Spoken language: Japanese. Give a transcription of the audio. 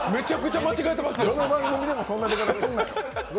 どの番組でもそんな出方すんなよ。